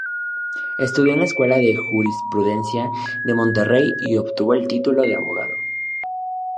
Estudió en la Escuela de Jurisprudencia de Monterrey y obtuvo el título de abogado.